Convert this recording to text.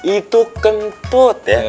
itu kentut ya